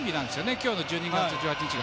今日１２月１８日が。